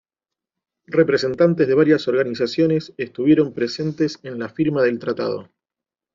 Representantes de varias organizaciones estuvieron presentes en la firma del tratado.